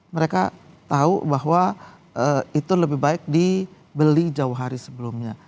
mereka tahu bahwa itu lebih baik dibeli jauh hari sebelumnya